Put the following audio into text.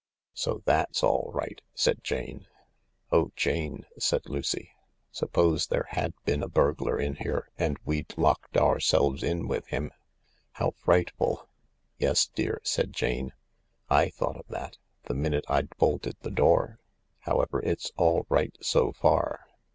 " So that's all right," said Jkne. " Oh, Jane," said Lucy, " suppose there had been a burglar in here, and we'd locked ourselves in with him I How frightful 1 " "Yes, dear," said Jane, "/thought of that, the minute I'd bolted the door. However, it's all right, so far."